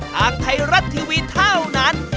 ทางไทยรัฐทีวีเท่านั้น